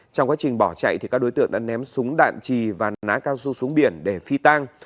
trong quá trình bỏ chạy các đối tượng đã ném súng đạn trì và ná cao su xuống biển để phi tang